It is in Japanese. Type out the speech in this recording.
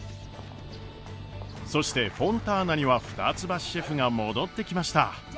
そしてフォンターナには二ツ橋シェフが戻ってきました。